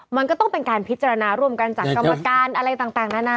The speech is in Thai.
มันก็ต้องเป็นการพิจารณาร่วมกันจากกรรมการอะไรต่างนานา